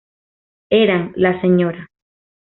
Eran la Sra.